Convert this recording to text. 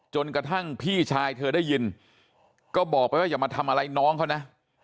จนกระทั่งพี่ชายเธอได้ยินก็บอกไปว่าอย่ามาทำอะไรน้องเขานะ